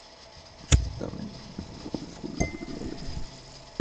Estaba en la otra punta, en el culo del mundo